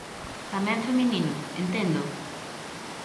Tamén feminino, entendo?